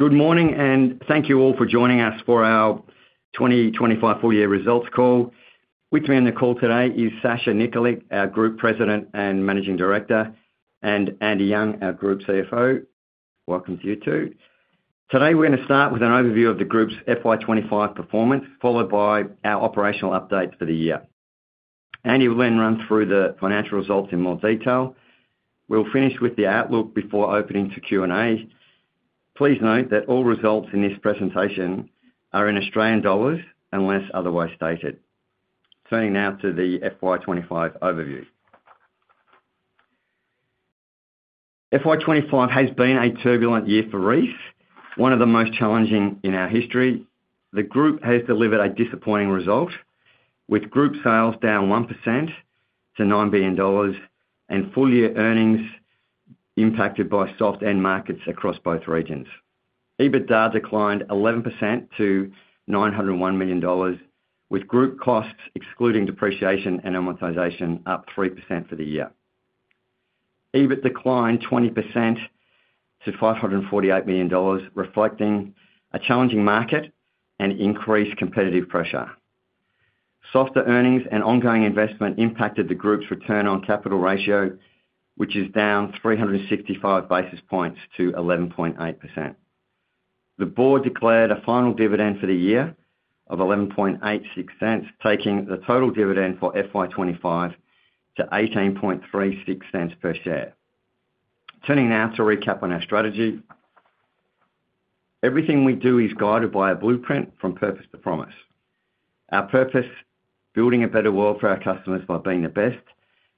Good morning and thank you all for joining us for our 2025 full year results call. With me on the call today is Sasha Nikolic, our Group President and Managing Director, and Andy Young, our Group CFO. Welcome, you two. Today, we're going to start with an overview of the group's FY25 performance, followed by our operational updates for the year. Andy will then run through the financial results in more detail. We will finish with the outlook before opening to Q and A. Please note that all results in this presentation are in Australian dollars unless otherwise stated. Turning now to the FY25 overview. FY25 has been a turbulent year for Reece, one of the most challenging in our history. The group has delivered a disappointing result with group sales down 1% to $9 billion and full year earnings impacted by soft end markets across both regions. EBITDA declined 11% to $901 million with group costs excluding depreciation and amortization up 3% for the year. EBIT declined 20% to $548 million, reflecting a challenging market and increased competitive pressure. Softer earnings and ongoing investment impacted the group's return on capital ratio, which is down 365 basis points to 11.8%. The board declared a final dividend for the year of $11.86, taking the total dividend for FY25 to $18.36 per share. Turning now to recap on our strategy. Everything we do is guided by a blueprint from purpose to promise. Our purpose, building a better world for our customers by being the best,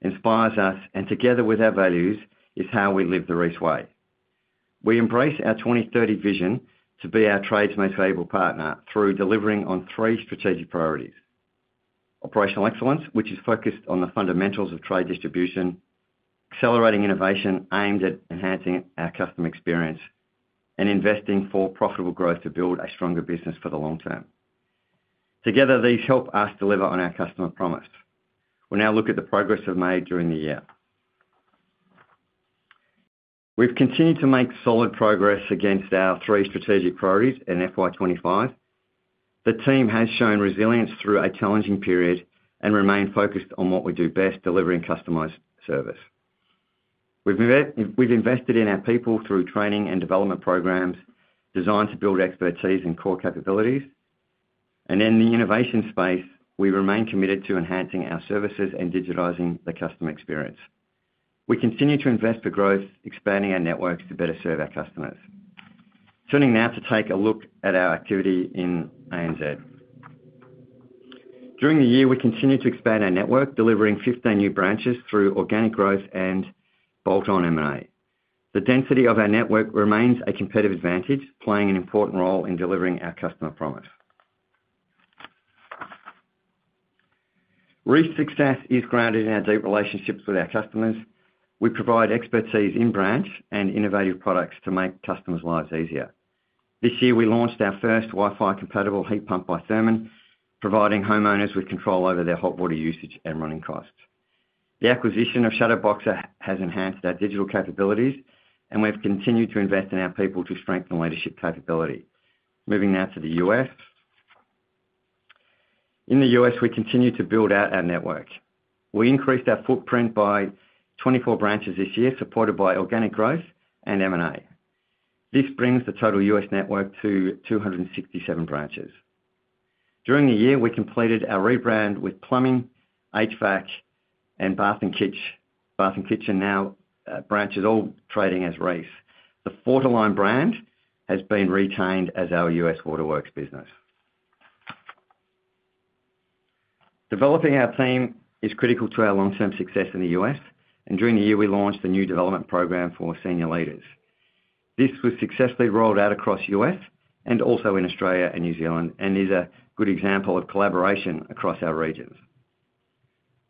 inspires us and together with our values is how we live the Reece Way. We embrace our 2030 vision to be our trade's most valuable partner through delivering on three strategic priorities: operational excellence, which is focused on the fundamentals of trade distribution; accelerating innovation aimed at enhancing our customer experience; and investing for profitable growth to build a stronger business for the long term. Together these help us deliver on our customer promise. We'll now look at the progress we've made during the year. We've continued to make solid progress against our three strategic priorities in FY25. The team has shown resilience through a challenging period and remain focused on what we do best: delivering customized service. We've invested in our people through training and development programs designed to build expertise and core capabilities, and in the innovation space, we remain committed to enhancing our services and digitizing the customer experience. We continue to invest for growth, expanding our networks to better serve our customers. Turning now to take a look at our activity in ANZ during the year, we continue to expand our network, delivering 15 new branches through organic growth and bolt-on M&A. The density of our network remains a competitive advantage, playing an important role in delivering our customer promise. Reece's success is grounded in our deep relationships with our customers. We provide expertise in brands and innovative products to make customers' lives easier. This year we launched our first WiFi compatible heat pump by Therman, providing homeowners with control over their hot water usage and running costs. The acquisition of Shadowboxer has enhanced our digital capabilities, and we've continued to invest in our people to strengthen leadership capability. Moving now to the U.S. In the U.S., we continue to build out our network. We increased our footprint by 24 branches this year, supported by organic growth and M&A. This brings the total U.S. network to 267 branches. During the year, we completed our rebrand, with Plumbing, HVAC, and Bath & Kitchen branches all trading as Reece. The Fortiline brand has been retained as our U.S. Waterworks business. Developing our team is critical to our long-term success in the U.S., and during the year we launched a new development program for senior leaders. This was successfully rolled out across the U.S. and also in Australia and New Zealand, and is a good example of collaboration across our regions.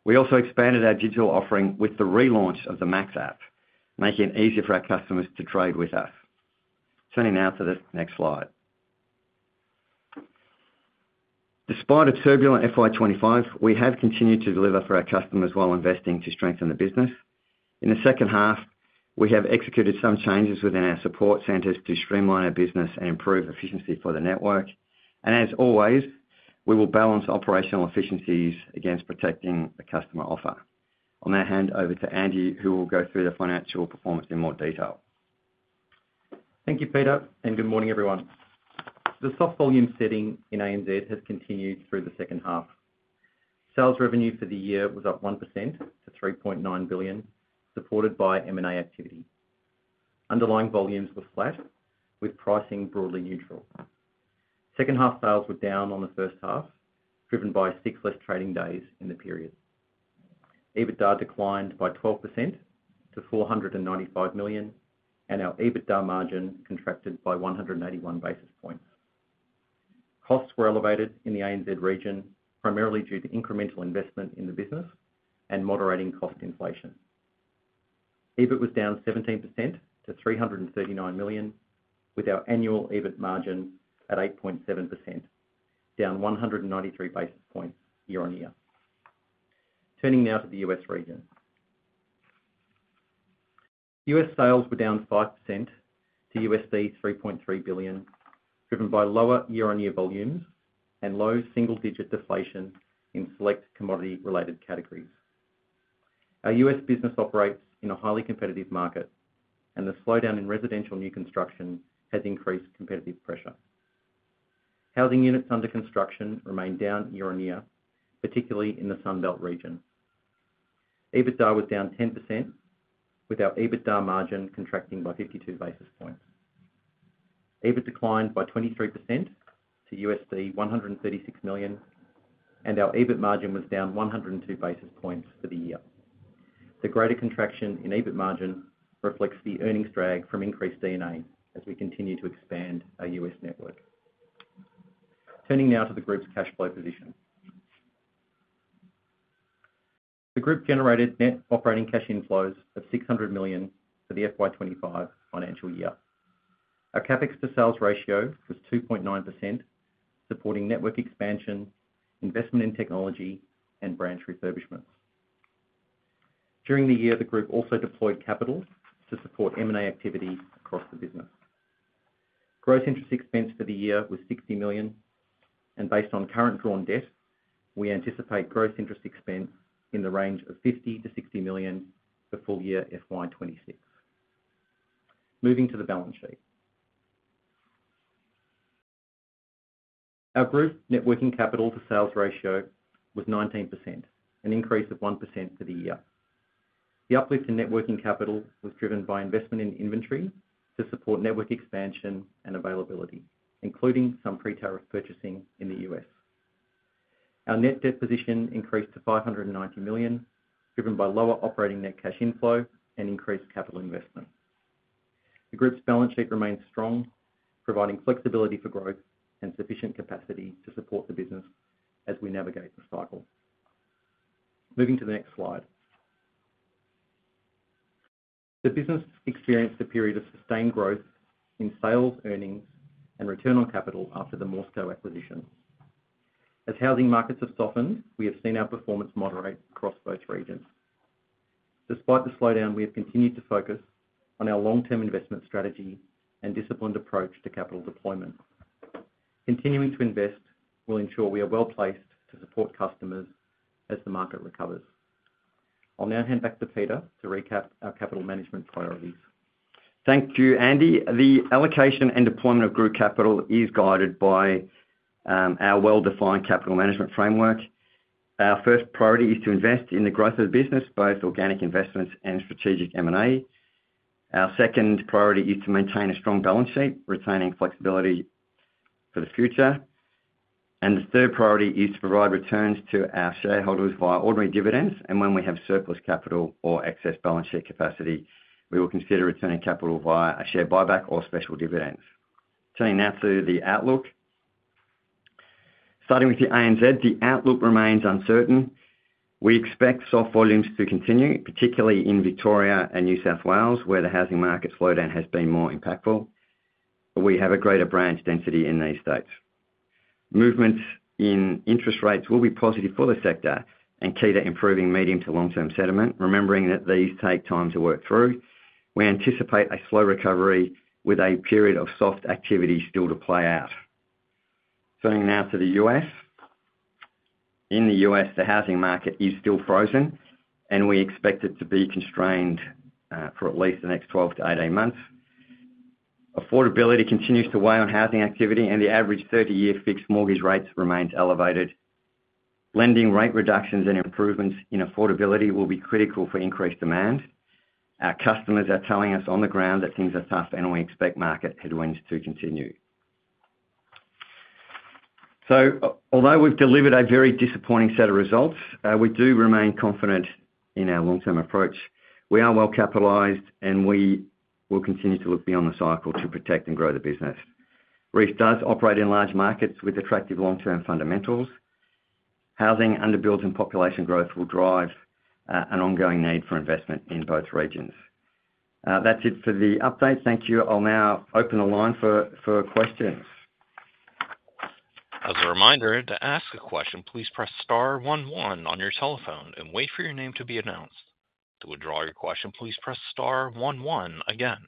We also expanded our digital offering with the relaunch of the max app, making it easier for our customers to trade with us. Turning now to the next slide. Despite a turbulent FY25, we have continued to deliver for our customers while investing to strengthen the business. In the second half, we have executed some changes within our support centers to streamline our business and improve efficiency for the network, and as always, we will balance operational efficiencies against protecting a customer offer. I'll now hand over to Andy who will go through the financial performance in more detail. Thank you, Peter, and good morning everyone. The soft volume setting in ANZ has continued through the second half. Sales revenue for the year was up 1% at $3.9 billion, supported by MA activity. Underlying volumes were flat with pricing broadly neutral. Second half sales were down on the first half, driven by 6 less trading days in the period. EBITDA declined by 12% to $495 million, and our EBITDA margin contracted by 181 basis points. Costs were elevated in the ANZ region, primarily due to incremental investment in the business and moderating cost inflation. EBIT was down 17% to $339 million, with our annual EBIT margin at 8.7%, down 193 basis points year on year. Turning now to the U.S. region. US sales were down 5% to $3.3 billion driven by lower year on year volumes and low single digit deflation in select commodity related categories. Our U.S. business operates in a highly competitive market, and the slowdown in residential new construction has increased competitive pressure. Housing units under construction remain down year on year, particularly in the Sun Belt region. EBITDA was down 10% with our EBITDA margin contracting by 52 basis points. EBIT declined by 23% to $136 million, and our EBIT margin was down 102 basis points for the year. The greater contraction in EBIT margin reflects the earnings drag from increased DNA as we continue to expand our U.S. network. Turning now to the Group's cash flow position. The group generated net operating cash inflows of $600 million for the FY2025 financial year. Our Capex to sales ratio was 2.9%, supporting network expansion, investment in technology, and branch refurbishments. During the year, the group also deployed capital to support M&A activities across the business. Gross interest expense for the year was $60 million, and based on current drawn debt we anticipate gross interest expense in the range of $50 to $60 million for full year FY2026. Moving to the balance sheet. Our group net working capital to sales ratio was 19%, an increase of 1% for the year. The uplift in net working capital was driven by investment in inventory to support network expansion and availability, including some pre tariff purchasing in the US. Our net debt position increased to $590 million, driven by lower operating net cash inflow and increased capital investment. The Group's balance sheet remains strong, providing flexibility for growth and sufficient capacity to support the business as we navigate the cycle. Moving to the next slide, the business experienced a period of sustained growth in sales, earnings, return on capital after the MORSCO acquisition. As housing markets have softened, we have seen our performance moderate across both regions. Despite the slowdown, we have continued to focus on our long term investment strategy and disciplined approach to capital deployment. Continuing to invest will ensure we are well placed to support customers as the market recovers. I'll now hand back to Peter to recap our capital management priority. Thank you Andy. The allocation and deployment of group capital is guided by our well-defined capital management framework. Our first priority is to invest in the growth of the business, both organic investments and strategic M&A. Our second priority is to maintain a strong balance sheet, retaining flexibility for the future, and the third priority is to provide returns to our shareholders via ordinary dividends. When we have surplus capital or excess balance sheet capacity, we will consider returning capital via a share buyback or special dividends. Turning now to the outlook. Starting with the ANZ, the outlook remains uncertain. We expect soft volumes to continue, particularly in Victoria and New South Wales where the housing market slowdown has been more impactful. We have a greater branch density in these states. Movements in interest rates will be positive for the sector and key to improving medium to long-term sentiment. Remembering that these take time to work through, we anticipate a slow recovery with a period of soft activity still to play out. Turning now to the U.S. In the U.S., the housing market is still frozen and we expect it to be constrained for at least the next 12 to 18 months. Affordability continues to weigh on housing activity and the average 30-year fixed mortgage rates remain elevated. Lending rate reductions and improvements in affordability will be critical for increased demand. Our customers are telling us on the ground that things are tough and we expect market headwinds to continue. Although we've delivered a very disappointing set of results, we do remain confident in our long-term approach. We are well capitalized and we will continue to look beyond the cycle to protect and grow the business. Reece does operate in large markets with attractive long-term fundamentals. Housing underbuilt and population growth will drive an ongoing need for investment in both regions. That's it for the update. Thank you. I'll now open the line for questions. As a reminder to ask a question, please press star 11 on your telephone and wait for your name to be announced. To withdraw your question, please press star 11 again.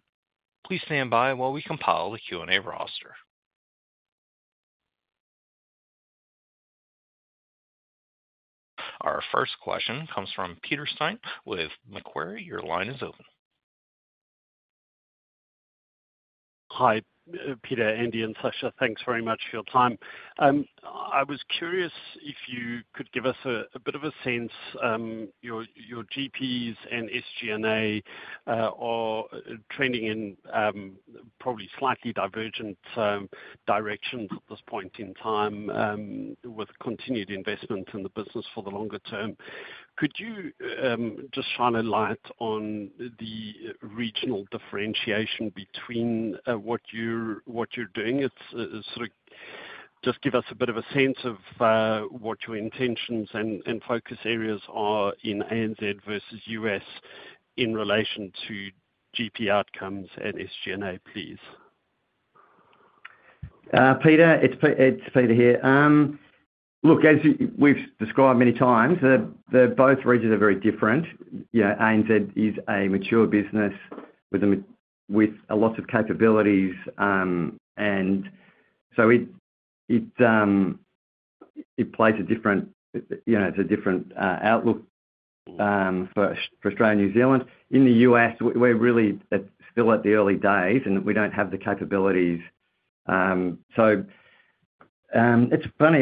Please stand by while we compile the Q and A roster. Our first question comes from Peter Stein with Macquarie. Your line is open. Hi Peter, Andy and Sasha. Thanks very much for your time. I was curious if you could give us a bit of a sense. Your GP and SG&A are trending in probably slightly divergent directions at this point in time with continued investment in the business for the longer term. Could you just shine a light on the regional differentiation between what you're doing? Just give us a bit of a sense of what your intentions and focus areas are in ANZ versus US in relation to GP outcomes and SG&A. Peter, it's Peter here. Look, as we've described many times, both regions are very different. ANZ is a mature business with lots of capabilities, and so it plays a different role. It's a different outlook, first for Australia, New Zealand. In the U.S. we're really still at the early days, and we don't have the capabilities, so it's funny.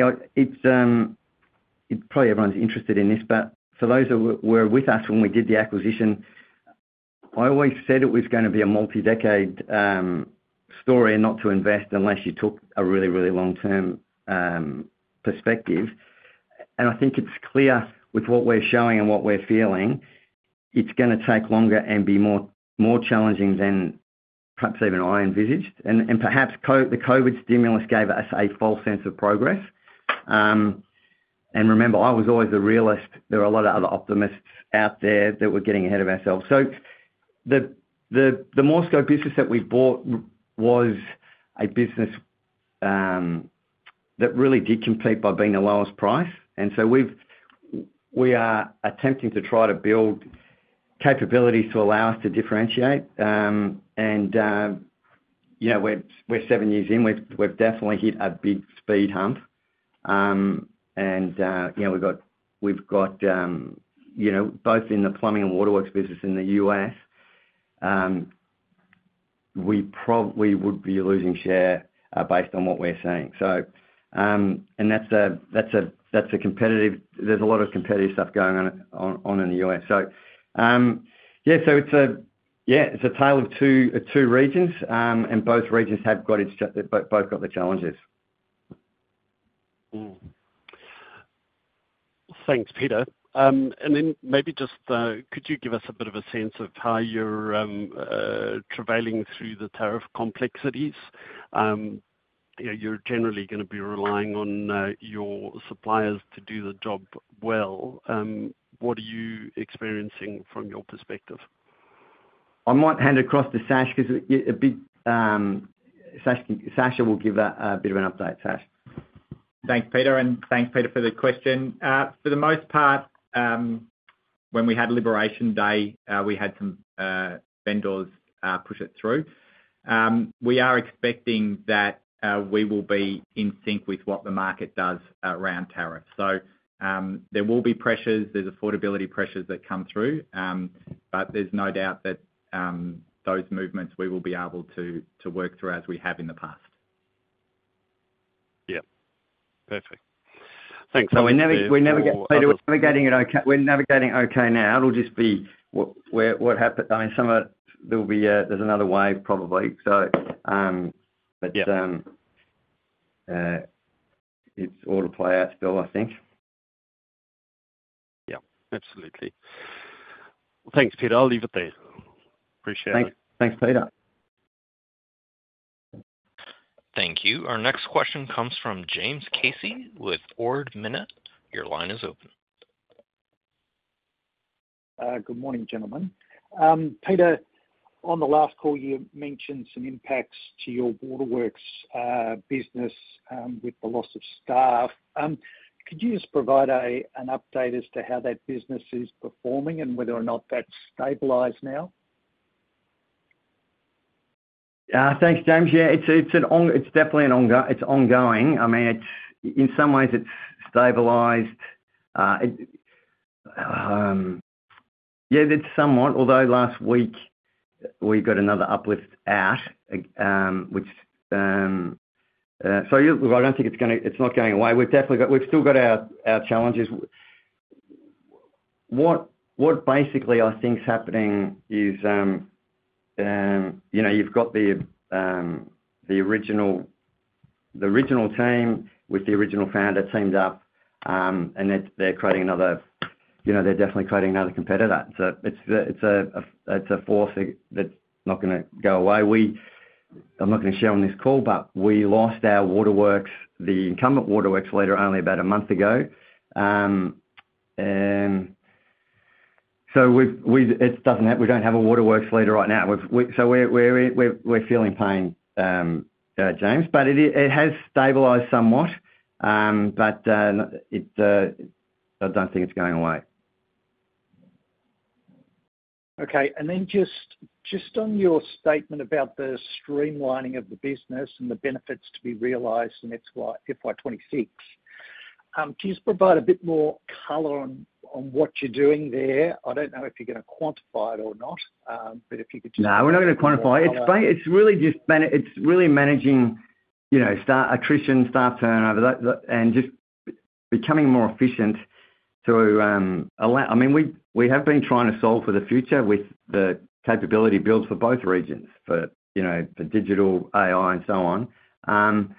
Probably everyone's interested in this, but for those who were with us when we did the acquisition, I always said it was going to be a multi-decade story and not to invest unless you took a really, really long-term perspective. I think it's clear with what we're showing and what we're feeling, it's going to take longer and be more challenging than perhaps even I envisaged. Perhaps the COVID stimulus gave us a false sense of progress. I was always a realist. There are a lot of other optimists out there that were getting ahead of ourselves. The Morse code business that we've bought was a business that really did compete by being the lowest price. We are attempting to try to build capabilities to allow us to differentiate and, you know, we're seven years in. We've definitely hit a big speed hump and we've got, you know, both in the plumbing and Waterworks business in the U.S. we probably would be losing share based on what we're saying. That's a competitive, there's a lot of competitive stuff going on in the U.S., so it's a tale of two regions and both regions have got, both got the challenges. Thanks, Peter. Could you give us a bit of a sense of how you're travailing through the tariff complexities? You're generally going to be relying on your suppliers to do the job. What are you experiencing from your perspective? I might hand across to Sasha because Sasha will give a bit of an update. Sasha. Thanks, Peter and thank you Peter for the question. For the most part, when we had Liberation Day, we had some vendors push it through. We are expecting that we will be in sync with what the market does around tariffs. There will be pressures, there's affordability pressures that come through, there's no doubt that those movements we will be able to work through as we have in the past. Yeah, perfect. Thanks. We're navigating okay now, it'll just be where what happened. I mean, some of it, there's another wave probably. It's all a play out still, I think. Yeah, absolutely. Thanks Peter. I'll leave it there. Appreciate it. Thanks Peter. Thank you. Our next question comes from James Casey with Ord Minnett. Your line is open. Good morning gentlemen. Peter, on the last call, you mentioned some impacts to your Waterworks business with the loss of staff. Could you just provide an update as to how that business is performing and whether or not that's stabilized now? Thanks, James. It's definitely ongoing. I mean, in some ways, it's stabilized somewhat. Although last week we got another uplift out, which I don't think is going away. We've definitely still got our challenges. What I think is happening is you've got the original team with the original founder teamed up and they're creating another competitor. It's a force that's not going to go away. I'm not going to share on this call, but we lost our Waterworks leader only about a month ago. We don't have a Waterworks leader right now. We're feeling pain, James, but it has stabilized somewhat, though I don't think it's going away. Okay, just on your statement about the streamlining of the business and the benefits to be realized in FY26, can you just provide a bit more color on what you're doing there? I don't know if you're going to quantify it or not, but if you could just. No, we're not going to quantify. It's really just managing, you know, staff attrition, staff turnover, and just becoming more efficient to allow. I mean, we have been trying to solve for the future with the capability build for both regions, but, you know, for digital, AI, and so on, and,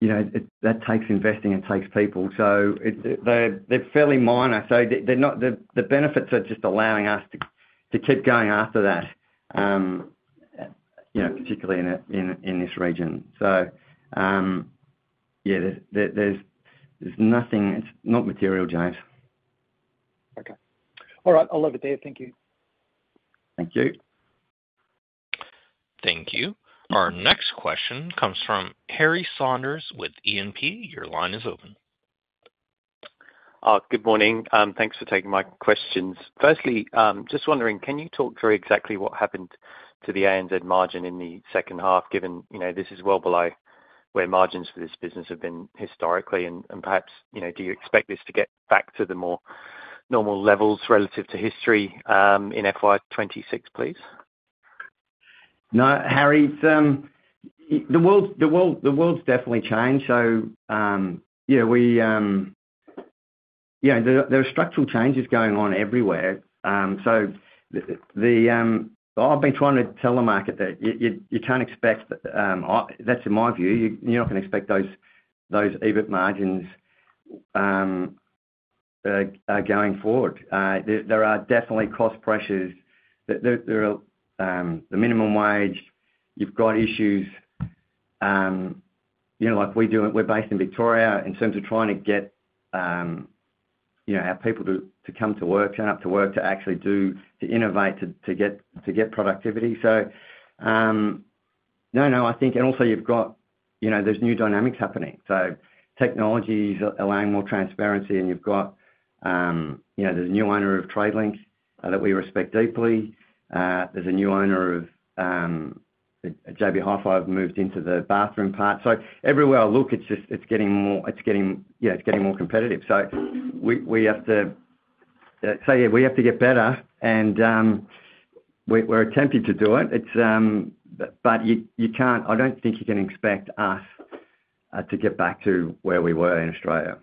you know, that takes investing. It takes people. They're fairly minor, so the benefits are just allowing us to keep going after that, particularly in this region. Yeah, there's nothing. It's not material, James. Okay. All right, I'll leave it there. Thank you. Thank you. Thank you. Our next question comes from Harry Saunders with E&P. Your line is open. Good morning. Thanks for taking my questions. Firstly, just wondering, can you talk through exactly what happened to the ANZ margin in the second half, given, you know, this is well below where margins for this business have been historically and perhaps, you know, do you expect this to get back to the more normal levels relative to history in FY2026, please? No, Harry. The world's definitely changed. There are structural changes going on everywhere. I've been trying to tell the market that you can't expect, in my view, you're not going to expect those EBIT margins going forward. There are definitely cost pressures, the minimum wage. You've got issues, like we do, we're based in Victoria in terms of trying to get our people to come to work, to actually do, to innovate, to get productivity. I think also you've got new dynamics happening. Technology's allowing more transparency and you've got a new owner of Tradelink that we respect deeply. There's a new owner of JB Hi-Fi, have moved into the bathroom part. Everywhere I look, it's just getting more, it's getting more competitive. We have to say, we have to get better and we're attempting to do it. I don't think you can expect us to get back to where we were in Australia.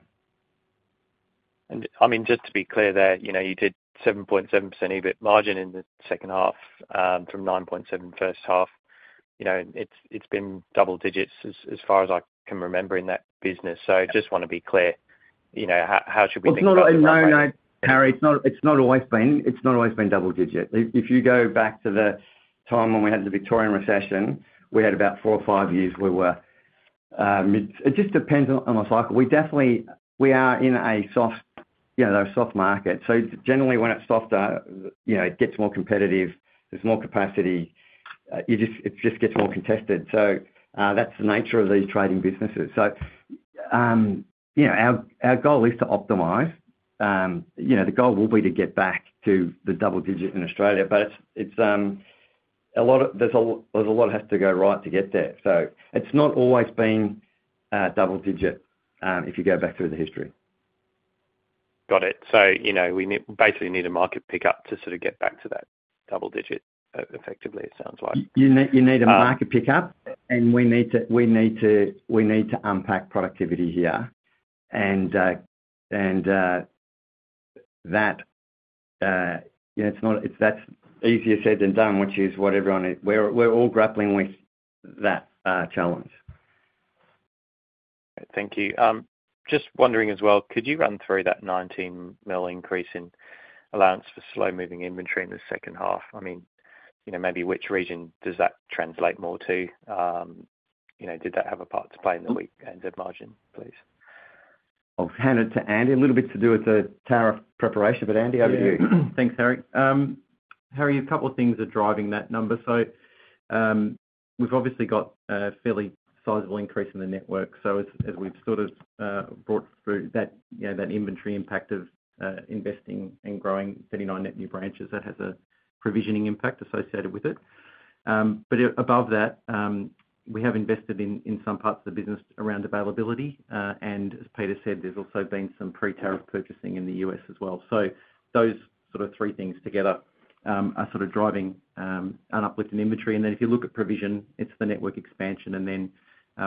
Just to be clear there, you did 7.7% EBIT margin in the second half from 9.7% first half. It's been double digits as far as I can remember in that business. I just want to be clear, you know, how should we. Harry, it's not always been double digit. If you go back to the time when we had the Victorian recession, we had about four or five years. It just depends on the cycle. We definitely are in a soft, you know, a soft market. Generally, when it's softer, it gets more competitive, there's more capacity. It just gets more contested. That's the nature of these trading businesses. Our goal is to optimize, you know, the goal will be to get back to the double digit in Australia. There's a lot has to go right to get there. It's not always been double digit if you go back through the history. Got it. We basically need a market pickup to sort of get back to that double digit, effectively, it sounds like. You need a market pickup, and we need to unpack productivity here and that's easier said than done, which is what everyone, we're all grappling with that challenge. Thank you. Just wondering as well, could you run through that $19 million increase in allowance for slow moving inventory in the second half? I mean, maybe which region does that translate more to? Did that have a part to play in the weak New Zealand margin, please? I'll hand it to Andy. A little bit to do with the tariff preparation, but Andy, over to you. Thanks Harry. Harry, a couple of things are driving that number. We've obviously got a fairly sizable increase in the network. As we've brought through that inventory impact of investing and growing 39 net new branches, that has a provisioning impact associated with it. Above that, we have invested in some parts of the business around availability, and as Peter said, there's also been some pre-tariff purchasing in the U.S. as well. Those three things together are driving an uplift in inventory, and then if you look at provision, it's the network expansion, and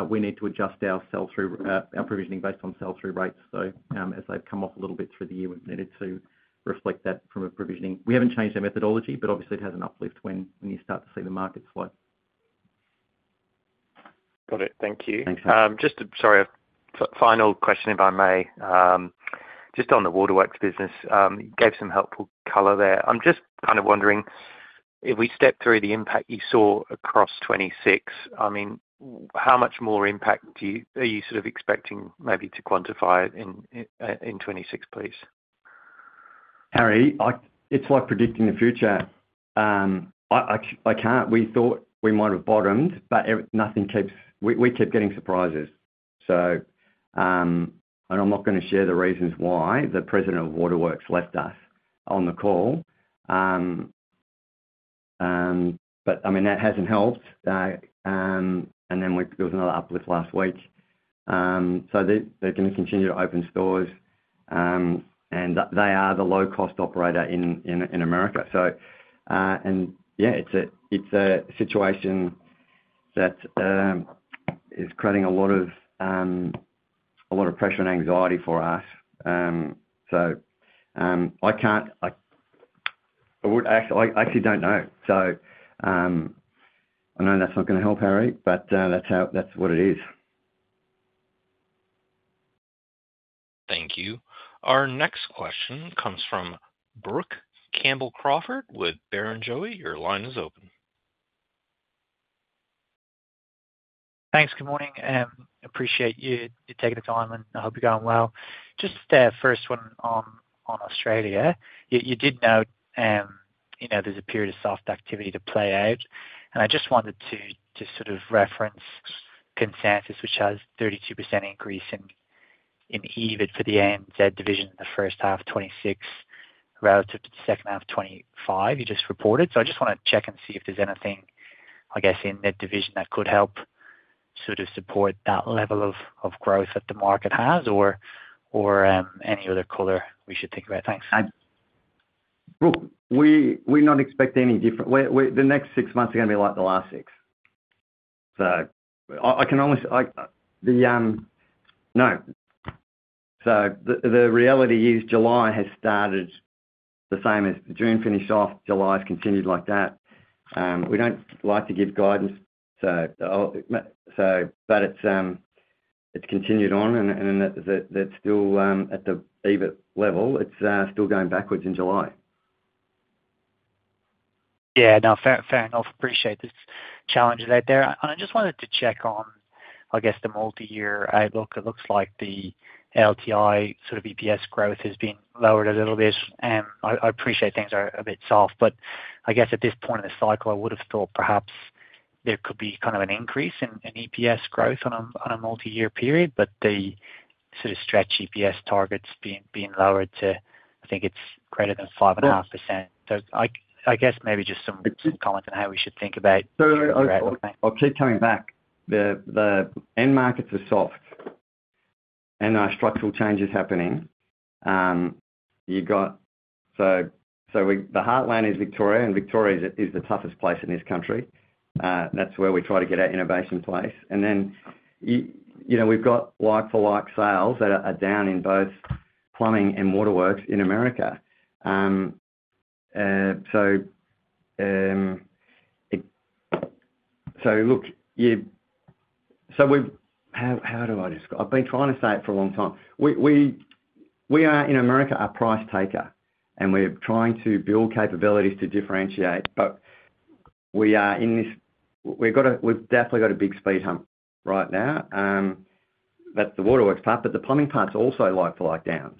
we need to adjust our sell through, our provisioning, based on sell through rates. As they come off a little bit through the year, we've needed to reflect that from a provisioning. We haven't changed our methodology, but obviously it has an uplift when you start to see the market flow. Got it, thank you. Just. Sorry, final question if I may. Just on the Waterworks business, you gave some helpful color there. I'm just wondering if we step through the impact you saw across 2026. I mean, how much more impact are you sort of expecting, maybe to quantify in 2026, please? Harry, it's like predicting the future. I can't. We thought we might have bottomed, but nothing keeps. We keep getting surprises. I'm not going to share the reasons why the President of Waterworks left us on the call, but I mean that hasn't helped. There was another uplift last week. They're going to continue to open stores, and they are the low cost operator in America. It's a situation that is creating a lot of pressure and anxiety for us. I can't, I actually don't know. I know that's not going to help, Harry, but that's what it is. Thank you. Our next question comes from Brooke Campbell Crawford with Barrenjoey, your line is open. Thanks good morning. Appreciate you taking the time and I hope you're going well. Just first one on Australia, you did note there's a period of soft activity to play out and I just wanted to sort of reference consensus, which has 32% increase in EBIT for the ANZ division the first half 2026 relative to the second half 2025 you just reported. I just want to check and see if there's anything, I guess, in that division that could help support that level of growth that the market has or any other color we should think about. Thanks. We're not expecting any different. The next six months are going to be like the last six. The reality is July has started the same as June finished off. July has continued like that. We don't like to give guidance, but it's continued on and it's still at the EBIT level. It's still going backwards in July. Yeah, no, fair enough. Appreciate the challenges out there, and I just wanted to check on, I guess, the multi-year outlook. It looks like the LTI sort of EPS growth has been lowered a little bit. I appreciate things are a bit soft, but I guess at this point in the cycle, I would have thought perhaps there could be kind of an increase in EPS growth on a multi-year period, but the sort of stretch EPS targets being lowered to, I think, it's greater than 5.5%, so I guess maybe just some comments on how we should think about. I'll keep coming back. The end markets are soft and there are structural changes happening. The heartland is Victoria, and Victoria is the toughest place in this country. That's where we try to get our innovation in place, and then we've got like-for-like sales that are down in both plumbing and Waterworks in America. We've definitely got a big speed hump right now in the Waterworks part, but the plumbing part is also like-for-like down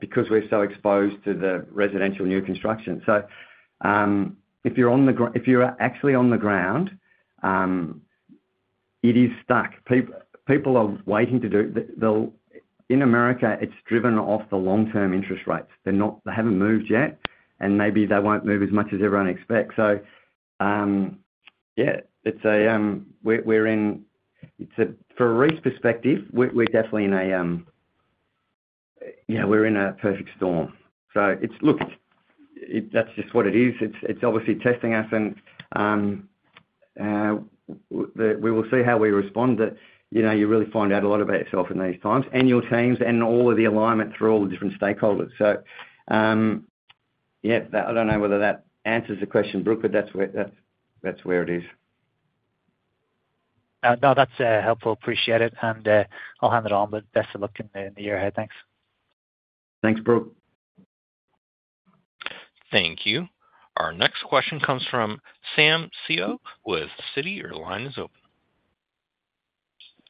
because we're so exposed to the residential new construction. If you're actually on the ground, it is stuck. People are waiting to do, in America it's driven off the long-term interest rates. They haven't moved yet, and maybe they won't move as much as everyone expects. It's a, we're in, It's a, from a REIT perspective, we're definitely in a, yeah, we're in a perfect storm. That's just what it is. It's obviously testing us, and we will see how we respond. You really find out a lot about yourself in these times and your teams and all of the alignment through all the different stakeholders. I don't know whether that answers the question, Brooke, but that's where it is. No, that's helpful. Appreciate it and I'll hand it on. Best of luck in the year ahead. Thanks. Thanks, Brooke. Thank you. Our next question comes from Sam Seow with Citi, your line is open.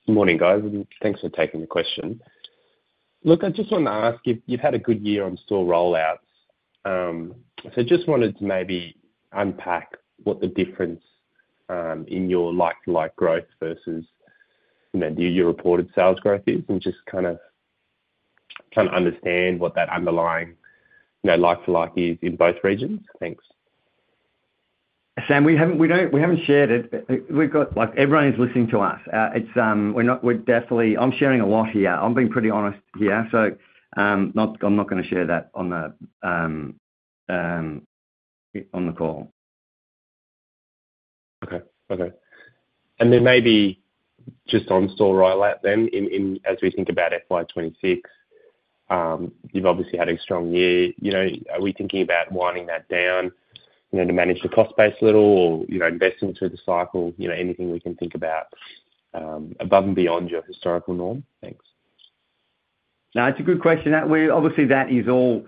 Morning guys, and thanks for taking the question. Look, I just want to ask. You've had a good year on store rollout, so just wanted to maybe unpack what the difference in your like for like growth versus your reported sales growth is, and just kind of understand what that underlying like for like is in both regions. Thanks. Sam, we haven't shared it. We've got like, everyone's listening to us. I'm sharing a lot here. I'm being pretty honest here. I'm not going to share that on the call. Okay. Okay. There may be just on store rollout then as we think about FY2026. You've obviously had a strong year. Are we thinking about winding that down to manage the cost base a little, or investing through the cycle? Anything we can think about above and beyond your historical norm. Thanks. No, it's a good question that we obviously, that is all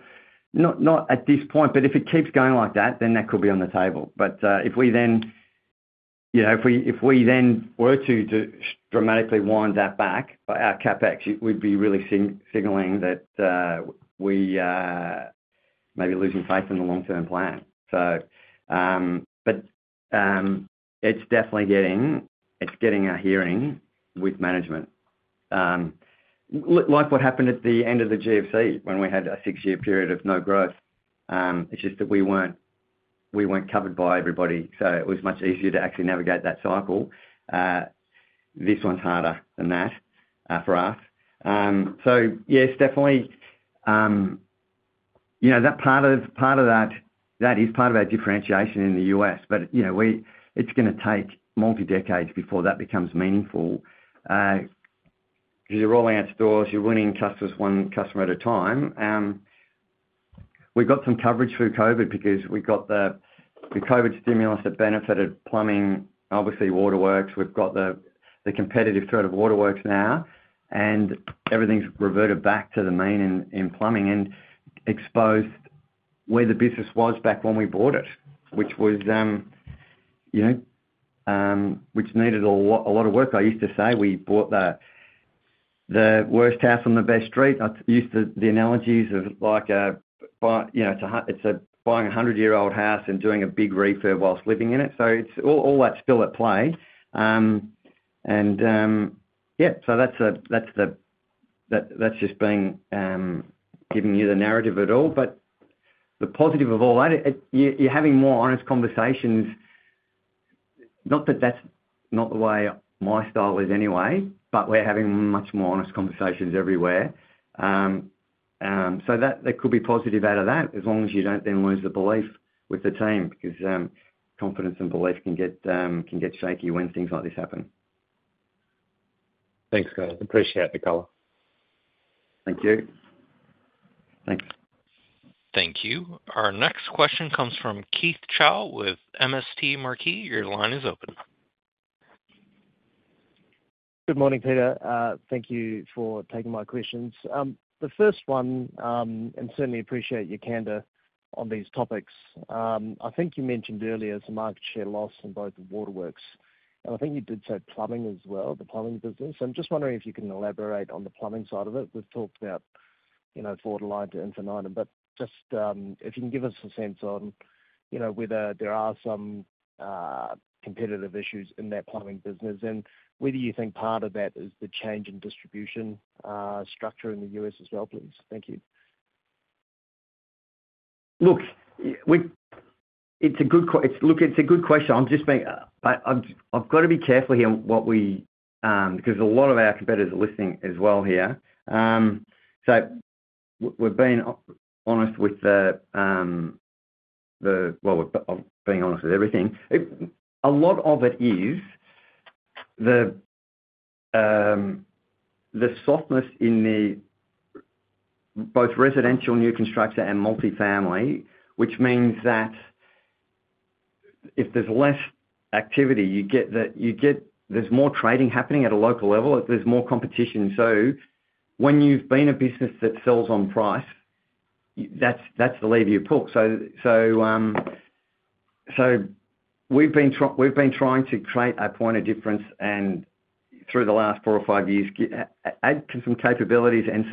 not, not at this point, but if it keeps going like that then that could be on the table. If we then, you know, if we then were to dramatically wind that back by our capex, it would be really signaling that we may be losing faith in the long term plan. It's definitely getting our hearing with management. Like what happened at the end of the GFC when we had a six year period of no growth. It's just that we weren't covered by everybody, so it was much easier to actually navigate that cycle. This one's harder than that for us. Yes, definitely part of that, that is part of our differentiation in the U.S. but it's going to take multi decades before that becomes meaningful. You're all outdoors, you're winning customers one customer at a time. We got some coverage through Covid because we got the COVID stimulus that benefited plumbing, obviously Waterworks. We've got the competitive threat of Waterworks now and everything's reverted back to the main in plumbing and exposed where the business was back when we bought it, which needed a lot of work. I used to say we bought the worst house on the best street. I used the analogies of like, you know, it's like buying a 100-year-old house and doing a big refurb whilst living in it, so it's all that still at play and, that's just been giving you the narrative at all. The positive of all that is you're having more honest conversations. Not that that's not the way my style is anyway, but we're having much more honest conversations everywhere. That could be positive out of that, as long as you don't then lose the belief with the team because confidence and belief can get shaky when things like this happen. Thanks guys. Appreciate the color. Thank you. Thanks. Thank you. Our next question comes from Keith Chau with MST Marquee. Your line is open. Good morning Peter. Thank you for taking my questions. The first one, and certainly appreciate your candor on these topics. I think you mentioned earlier some market share loss in both Waterworks and I think you did say plumbing as well, the plumbing business. I'm just wondering if you can elaborate on the plumbing side of it. We've talked about, you know, ad infinitum. Can you give us a sense on whether there are some competitive issues in that plumbing business, and whether you think part of that is the change in distribution structure in the U.S. as well, please? Thank you. It's a good question. I've got to be careful here because a lot of our competitors are listening as well. We're being honest with everything. A lot of it is the softness in both residential new construction and multifamily, which means that if there's less activity, there's more trading happening at a local level, there's more competition. When you've been a business that sells on price, that's the level you pull. We've been trying to create a point of difference and through the last four or five years add some capabilities and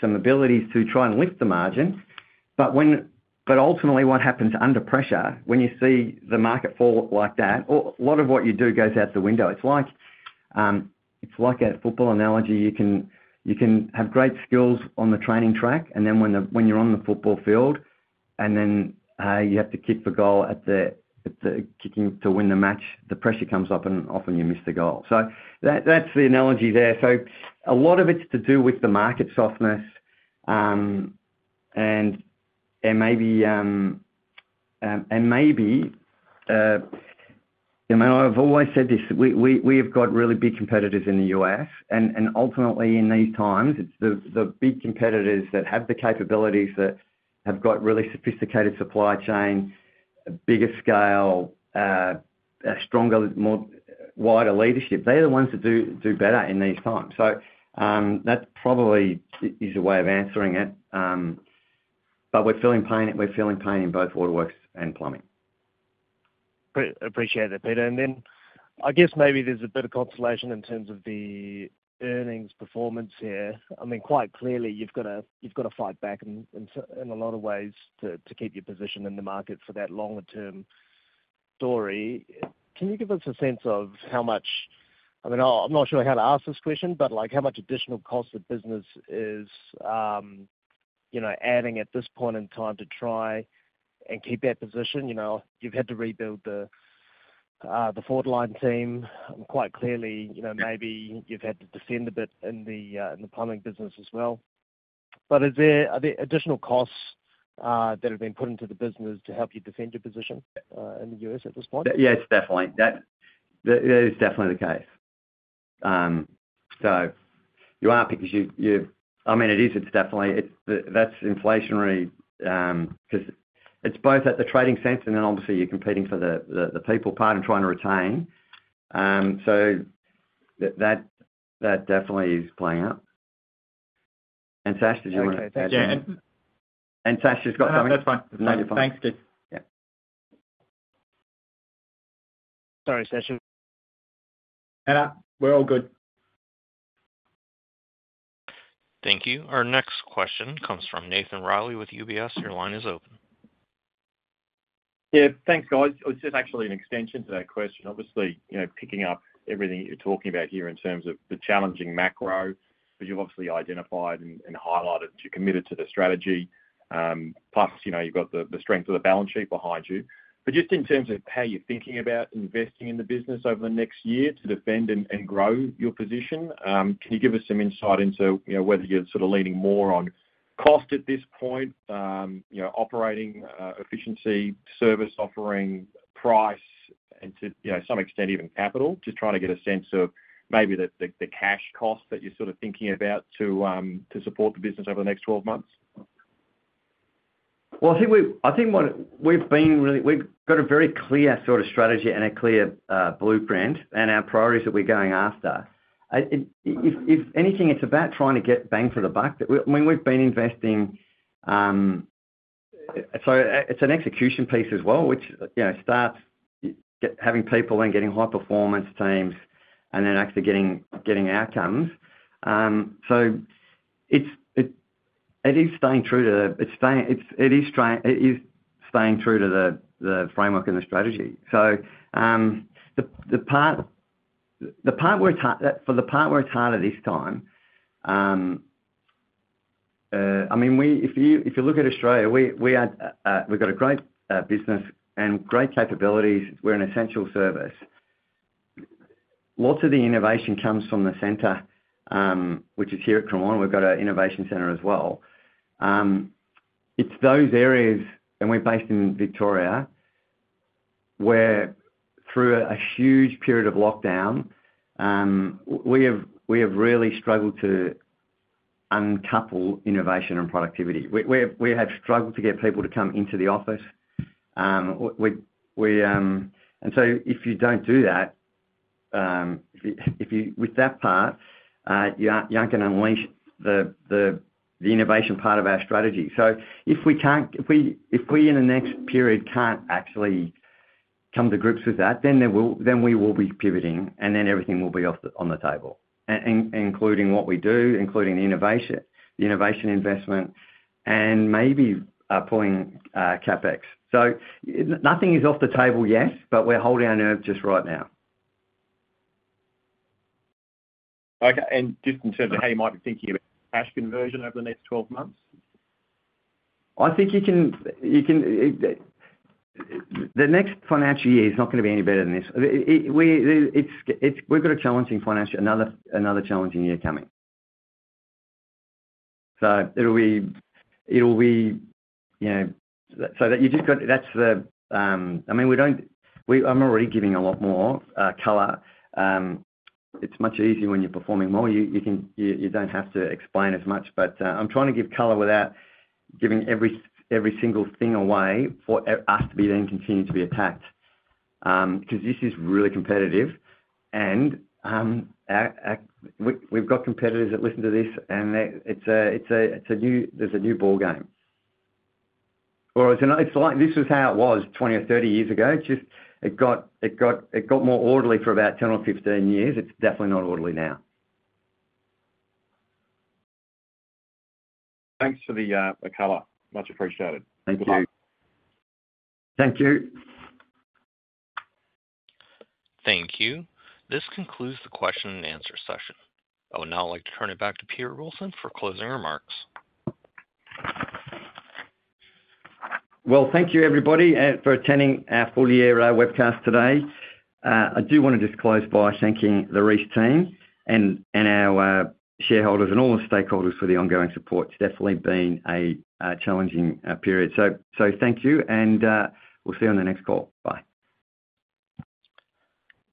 some abilities to try and lift the margin. Ultimately, what happens under pressure, when you see the market fall like that, a lot of what you do goes out the window. It's like a football analogy. You can have great skills on the training track, and then when you're on the football field and you have to kick the goal to win the match, the pressure comes up and often you miss the goal. That's the analogy there. A lot of it's to do with the market softness and maybe, you know, I've always said this, we have got really big competitors in the U.S. Ultimately, in these times, the big competitors that have the capabilities, that have got really sophisticated supply chain, bigger scale, a stronger, more wider leadership, they're the ones that do better in these times. That probably is a way of answering it. We're feeling pain in both Waterworks and plumbing. Appreciate that, Peter. I guess maybe there's a bit of consolation in terms of the earnings performance here. Quite clearly you've got to fight back in a lot of ways to keep your position in the market for that longer term story. Can you give us a sense of how much, I mean, I'm not sure how to ask this question, but how much additional cost of business is, you know, adding at this point in time to try and keep that position? You've had to rebuild the forward line team quite clearly. Maybe you've had to defend a bit in the plumbing business as well. Is there, are there additional costs that have been put into the business to help you defend your position in the US at this point? Yes, definitely. That is definitely the case. You are, because you, I mean, it is, it's definitely. That's inflationary because it's both at the trading sense and then obviously you're competing for the people part and trying to retain. That definitely is playing out. Sasha, do you want to. Sasha's got something. No, that's fine. Thank you. Sorry, Sasha. We're all good. Thank you. Our next question comes from Nathan Riley with UBS. Your line is open. Yeah, thanks guys. It's just actually an extension to that question. Obviously, you know, picking up everything you're talking about here in terms of the challenging macro, but you've obviously identified and highlighted you committed to the strategy. Plus you've got the strength of the balance sheet behind you, but in terms of how you're thinking about investing in the business over the next year to defend and grow your position, can you give us some insight into whether you're leaning more on cost at this point? operating efficiency, service offering, price, and to some extent even capital to try to get a sense of maybe the cash cost that you're sort of thinking about to support the business over the next 12 months? I think what we've been really, we've got a very clear sort of strategy and a clear blueprint and our priorities that we're going after. If anything, it's about trying to get bang for the buck when we've been investing. It's an execution piece as well, which starts having people and getting high performance teams and then actually getting outcomes. It's staying true to the framework and the strategy. The part where it's harder this time, I mean, if you look at Australia, we've got a great business and great capabilities. We're an essential service. Lots of the innovation comes from the center, which is here at Cremona. We've got an innovation center as well. It's those areas, and we're based in Victoria where through a huge period of lockdown, we have really struggled to uncouple innovation and productivity. We have struggled to get people to come into the office. If you don't do that with that part, you aren't going to unleash the innovation part of our strategy. If we, in the next period can't actually come to grips with that, then we will be pivoting and then everything will be on the table, including what we do, including innovation, the innovation investment, and maybe pulling Capex. Nothing is off the table yet, but we're holding our nerve just right now. Okay. In terms of how you might be thinking about cash conversion over the next 12 months. I think you can. The next financial year is not going to be any better than this. We've got a challenging financial year. Another challenging year coming. It'll be, you know, that you just got. That's the, I mean, we don't. I'm already giving a lot more color. It's much easier when you're performing more. You don't have to explain as much, but I'm trying to give color without giving every single thing away for us to be. Then continue to be attacked because this is really competitive and we've got competitors that listen to this and it's a new ball game. It's like this was how it was 20 or 30 years ago. It got more orderly for about 10 or 15 years. It's definitely not orderly now. Thanks for the color, much appreciated. Thank you. Thank you. Thank you. This concludes the question and answer session. I would now like to turn it. Back to Peter Wilson for closing remarks. Thank you, everybody, for attending our full year webcast today. I do want to just close by thanking the Reece team, our shareholders, and all the stakeholders for the ongoing support. It's definitely been a challenging period. Thank you, and we'll see you on the next call. Bye.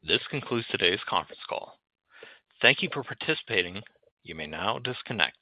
This concludes today's conference call. Thank you for participating, you may now disconnect.